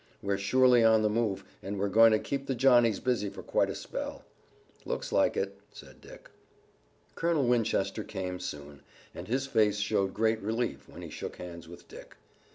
"We're surely on the move, and we're going to keep the Johnnies busy for quite a spell." "Looks like it," said Dick. Colonel Winchester came soon, and his face showed great relief when he shook hands with Dick.